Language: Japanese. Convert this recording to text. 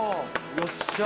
よっしゃあ。